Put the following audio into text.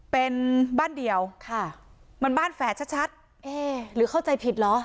เป็นบ้านเดียวค่ะมันบ้านแฝดชัดชัดเอ๊หรือเข้าใจผิดเหรอ